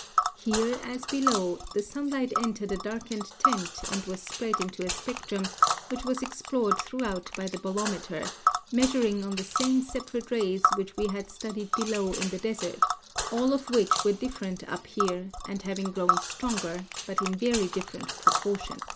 Here, as below, the sunlight entered a darkened tent and was spread into a spectrum, which was explored through out by the bolometer, measuring on the same separate rays which we had studied below in the desert, all of which were different up here, all having grown stronger, but in very different proportions."